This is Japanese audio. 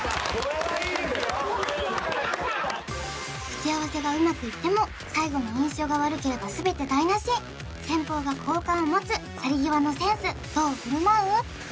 打ち合わせがうまくいっても最後の印象が悪ければ全て台無し先方が好感を持つ去り際のセンスどう振る舞う？